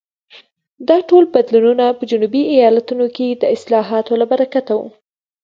دا ټول بدلونونه په جنوبي ایالتونو کې د اصلاحاتو له برکته وو.